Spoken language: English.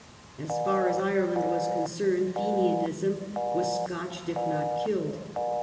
As far as Ireland was concerned Fenianism was scotched if not killed.